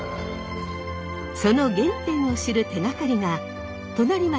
その原点を知る手がかりが隣町